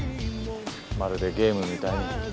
まるでゲームみたいに。